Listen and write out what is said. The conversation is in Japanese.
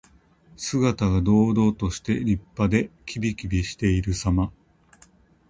姿が堂々として、立派で、きびきびしているさま。